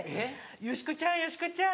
「よしこちゃんよしこちゃん